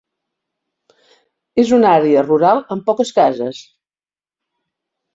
És una àrea rural amb poques cases.